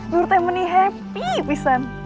nur teh mending happy pisan